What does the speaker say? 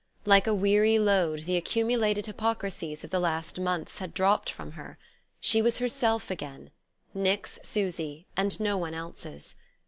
Like a weary load the accumulated hypocrisies of the last months had dropped from her: she was herself again, Nick's Susy, and no one else's.